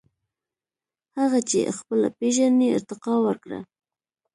• هغه چې خپله پېژنې، ارتقاء ورکړه.